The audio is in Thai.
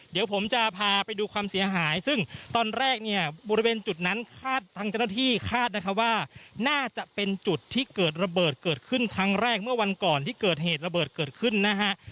เดี๋ยวผมจะพาไปดูความเสียหายซึ่งตอนแรกเนี่ยบริเวณจุดนั้นคาดทางเจ้าหน้าที่คาดนะคะว่าน่าจะเป็นจุดที่เกิดระเบิดเกิดขึ้นครั้งแรกเมื่อวันก่อนที่เกิดเหตุระเบิดเกิดขึ้นนะฮะ